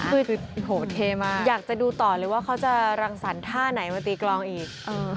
คือโหเท่มากอยากจะดูต่อเลยว่าเขาจะรังสรรคท่าไหนมาตีกลองอีก